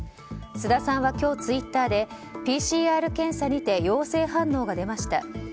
菅田さんは、今日ツイッターでＰＣＲ検査にて陽性反応が出ました。